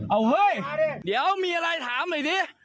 เอาเฮ้ยเดี๋ยวมีอะไรถามหน่อยดิ